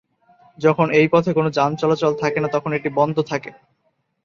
যখন এই পথে কোন যান চলাচল থাকে না তখন এটি বন্ধ থাকে।